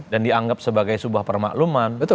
dan dianggap sebagai sebuah permakluman